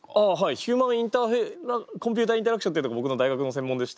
ヒューマン・コンピューター・インタラクションっていうのが僕の大学の専門でして。